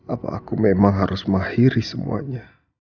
apa aku memang harus mengakhiri semuanya